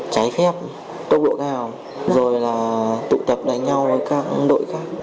cháy phép tô bộ cao rồi là tụ tập đánh nhau với các đội khác